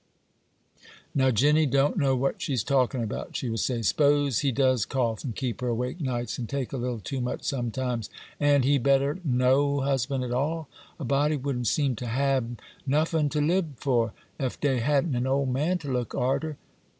'Now Jinny don't know what she's talkin' about,' she would say. 'S'pose he does cough and keep her awake nights, and take a little too much sometimes, a'n't he better'n no husband at all? A body wouldn't seem to hab nuffin to lib for, ef dey hadn't an ole man to look arter.